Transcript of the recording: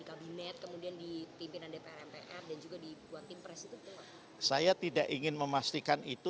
di kabinet kemudian di pimpinan dpr mpr dan juga di buatin presiden saya tidak ingin memastikan itu